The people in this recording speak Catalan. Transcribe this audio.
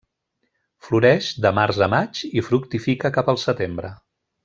Floreix de març a maig i fructifica cap al setembre.